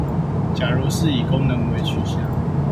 假如是以功能為取向